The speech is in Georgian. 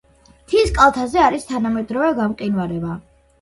მთის კალთაზე არის თანამედროვე გამყინვარება.